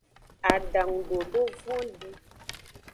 Adangudodo vondi.